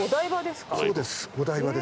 そうです。